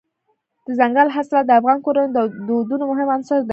دځنګل حاصلات د افغان کورنیو د دودونو مهم عنصر دی.